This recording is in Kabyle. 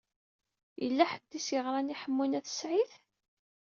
Yella ḥedd i s-yeɣṛan i Ḥemmu n At Sɛid.